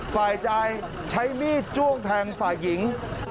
ฝ่ายชายใช้มีดจ้วงแทงฝ่ายหญิง